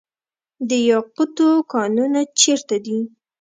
د یاقوتو کانونه چیرته دي؟